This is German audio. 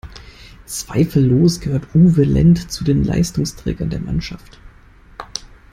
Zweifellos gehört Uwe Lendt zu den Leistungsträgern der Mannschaft.